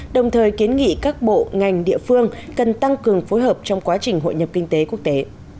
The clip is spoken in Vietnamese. đồng thời kiến nghị các bộ ngành địa phương cần tăng cường phối hợp trong quá trình hội nhập kinh tế quốc tế